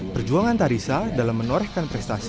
perjuangan tarisa dalam menorehkan prestasi